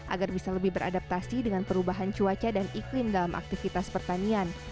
agar bisa lebih beradaptasi dengan perubahan cuaca dan iklim dalam aktivitas pertanian